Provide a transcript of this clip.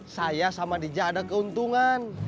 saya sama dija ada keuntungan